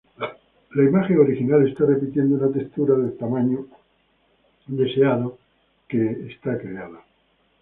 La imagen original está repitiendo una textura del tamaño deseado que está creada.